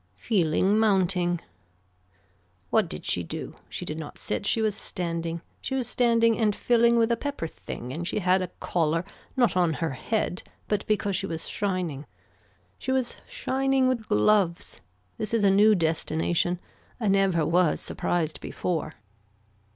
Feeling mounting. What did she do. She did not sit she was standing. She was standing and filling with a pepper thing and she had a collar not on her head but because she was shining. She was shining with gloves. This is a new destination. I never was surprised before.